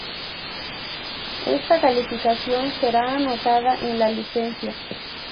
Esta calificación será anotada en la licencia.